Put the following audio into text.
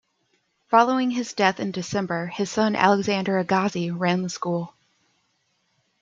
Following his death in December, his son Alexander Agassiz ran the school.